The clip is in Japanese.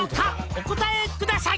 「お答えください」